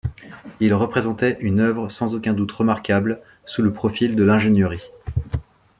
Il représentait une œuvre sans aucun doute remarquable sous le profil de l'ingénierie.